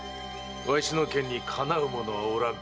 わしの剣にかなう者はおらぬ。